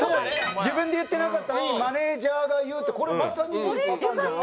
自分で言ってなかったのにマネージャーが言うってこれまさにいいパターンじゃない？